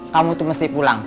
kamu tuh mesti pulang